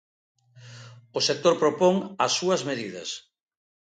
O sector propón as súas medidas.